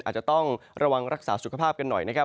อาจจะต้องระวังรักษาสุขภาพกันหน่อยนะครับ